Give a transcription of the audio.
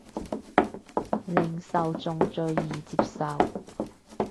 令受眾最易接受